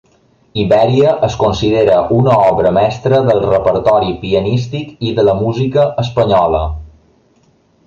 Ibèria es considera una obra mestra del repertori pianístic i de la música espanyola.